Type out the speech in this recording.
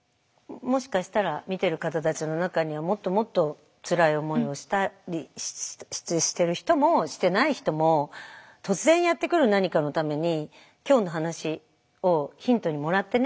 もしかしたら見てる方たちの中にはもっともっとつらい思いをしたりしてる人もしてない人も突然やって来る何かのために今日の話をヒントにもらってね